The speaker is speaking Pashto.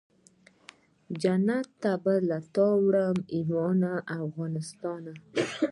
جنت ته به له تانه وړم ایمان افغانستانه